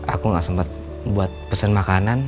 aku gak sempat buat pesen makanan